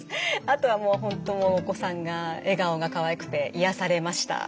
あとはもう「本当お子さんが笑顔がかわいくていやされました」。